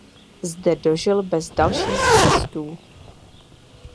Zde dožil bez dalších trestů.